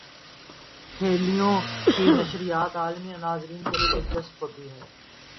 کھیلوں کی نشریات عالمی ناظرین کے لیے دلچسپ ہوتی ہیں۔